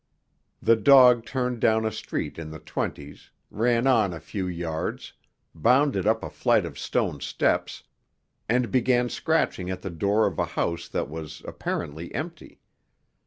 The dog turned down a street in the Twenties, ran on a few yards, bounded up a flight of stone steps, and began scratching at the door of a house that was apparently empty.